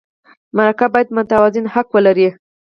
مرکه باید متوازن حق ولري.